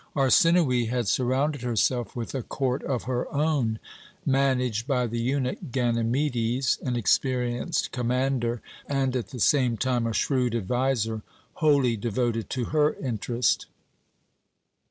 Arsinoë had surrounded herself with a court of her own, managed by the eunuch Ganymedes, an experienced commander, and at the same time a shrewd adviser, wholly devoted to her interest.